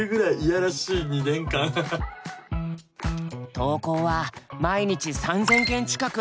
投稿は毎日３，０００件近く